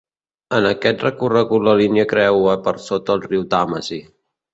En aquest recorregut la línia creua per sota el riu Tàmesi.